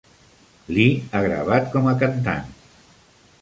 Lee ha gravat com a cantant.